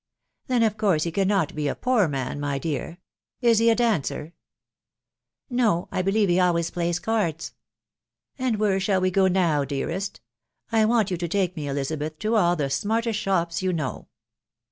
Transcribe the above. "Then of course he cannot be a' poor maw, my dear; Is he •a dancer? " No. .. I believe he always plays cards." " And where shall we go now, dearest? .... I want you to take me, Elizabeth, to all the smartest shopsyou know."